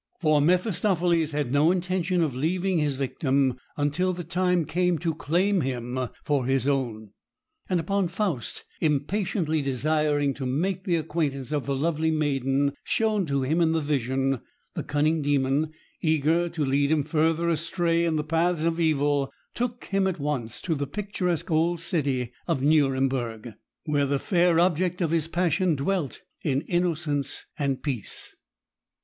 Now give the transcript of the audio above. For Mephistopheles had no intention of leaving his victim until the time came to claim him for his own; and upon Faust impatiently desiring to make the acquaintance of the lovely maiden shown to him in the vision, the cunning Demon, eager to lead him further astray in the paths of evil, took him at once to the picturesque old city of Nuremburg, where the fair object of his passion dwelt in innocence and peace.